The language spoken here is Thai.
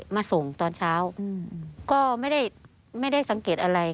มาส่งตอนเช้าก็ไม่ได้สังเกตอะไร